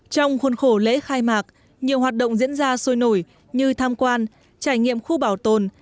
trong khuôn khổ lễ khai mạc nhiều hoạt động diễn ra sôi nổi như tham quan trải nghiệm khu bảo tồn